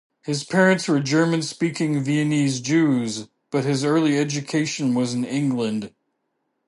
His parents were German-speaking Viennese Jews, but his early education was in England.